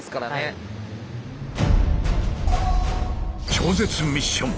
超絶ミッション！